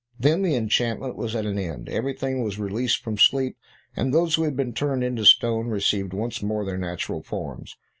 Then the enchantment was at an end; everything was released from sleep, and those who had been turned to stone received once more their natural forms.